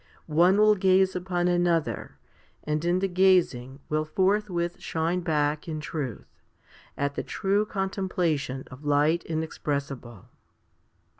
One will gaze upon another, and in the gazing will forthwith shine back in truth, at the true contemplation of light inexpressible.